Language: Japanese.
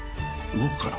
動くから］